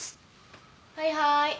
はいはい。